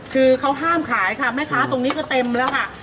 คือเขาห้ามขายค่ะแม่ค้าตรงนี้ก็เต็มแล้วค่ะ